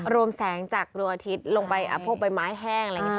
รวมแสงจากดวงอาทิตย์ลงไปพวกใบไม้แห้งอะไรอย่างนี้